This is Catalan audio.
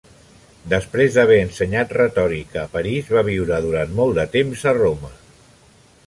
Després d'haver ensenyat retòrica a París, va viure durant molt de temps a Roma.